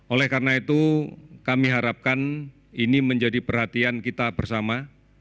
oleh karena itu kami harapkan ini menjadi perhatian kita bersama